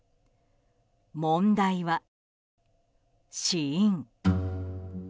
問題は、死因。